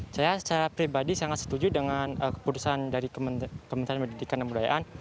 saya secara pribadi sangat setuju dengan keputusan dari kementerian pendidikan dan kebudayaan